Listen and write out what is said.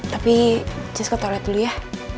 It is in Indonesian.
tapi cis ke toilet dulu ya